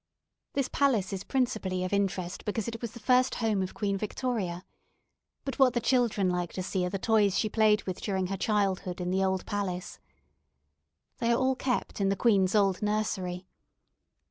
This palace is principally of interest because it was the first home of Queen Victoria. But what the children like to see are the toys she played with during her childhood in the old palace. They are all kept in the queen's old nursery.